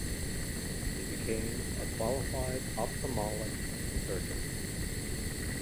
He became a qualified ophthalmic surgeon.